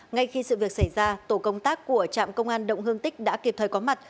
ngay khi sự việc xảy ra tổ công tác của trạm công an động hương tích đã kịp thời có mặt